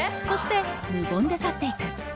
そして無言で去っていく。